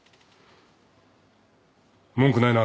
文句ないな。